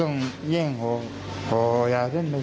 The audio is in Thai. งั้นขอโทษครับขอโทษครับ